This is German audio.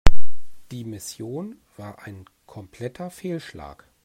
Die Mission war ein kompletter Fehlschlag.